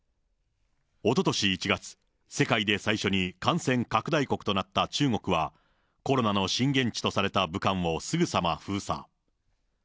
おととし１月、世界で最初に感染拡大国となった中国は、コロナの震源地とされた武漢をすぐさま封鎖。